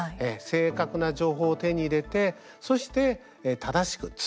正確な情報を手に入れてそして、正しく伝える。